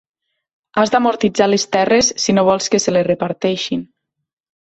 Has d'amortitzar les terres si no vols que se les reparteixin.